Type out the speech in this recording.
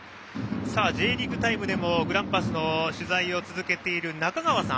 「Ｊリーグタイム」でもグランパスの取材を続けている中川さん。